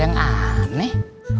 ada yang aneh